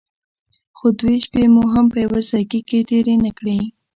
خو دوې شپې مو هم په يوه ځايگي کښې تېرې نه کړې.